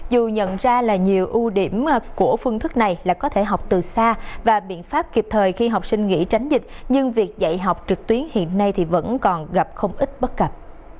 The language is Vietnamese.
dù nhận ra là nhiều ưu điểm của phương thức này là có thể học từ xa và biện pháp kịp thời khi học sinh nghỉ tránh dịch nhưng việc dạy học trực tuyến hiện nay thì vẫn còn gặp không ít bất cập